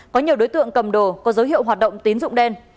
có nhiều đối tượng cầm đồ có dấu hiệu hoạt động tín dụng đen